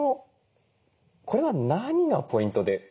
これは何がポイントで？